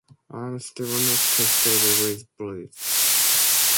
I'm still not comfortable with 'Bodies.